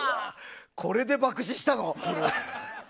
これで爆死したの？